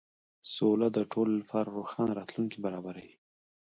سوله د ټولو لپاره روښانه راتلونکی برابروي.